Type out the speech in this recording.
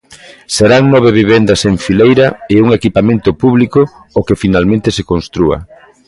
Serán nove vivendas en fileira e un equipamento público o que finalmente se constrúa.